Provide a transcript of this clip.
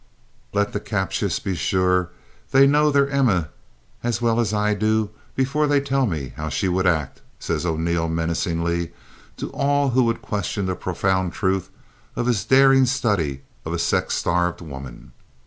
"Let the captious be sure they know their Emmas as well as I do before they tell me how she would act," says O'Neill menacingly to all who would question the profound truth of his "daring study of a sex starved woman."